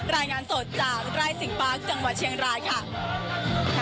รายงานสดจากไร่สิงปาร์คจังหวัดเชียงรายค่ะ